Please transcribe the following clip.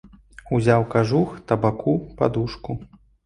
Узяў кажух, табаку, падушку.